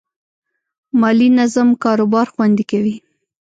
مالي نظم کاروبار خوندي کوي.